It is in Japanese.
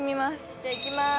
じゃあいきます。